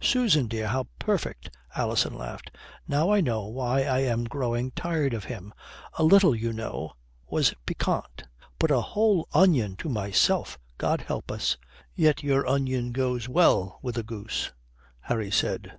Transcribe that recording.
"Susan dear! How perfect," Alison laughed. "Now I know why I am growing tired of him. A little, you know, was piquant. But a whole onion to myself God help us!" "Yet your onion goes well with a goose," Harry said.